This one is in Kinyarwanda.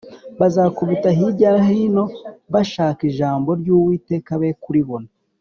bazakubita hirya no hino bashaka ijambo ry’Uwiteka be kuribona.